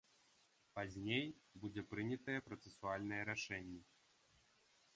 Пазней будзе прынятае працэсуальнае рашэнне.